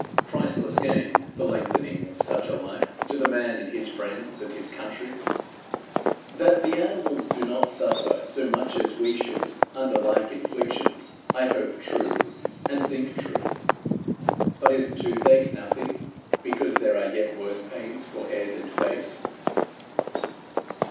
Priceless gain, the lengthening of such a life, to the man and his friends and his country! That the animals do not suffer so much as we should under like inflictions, I hope true, and think true. But is toothache nothing, because there are yet worse pains for head and face?